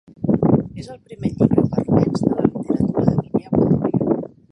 És el primer llibre per a nens de la literatura de Guinea Equatorial.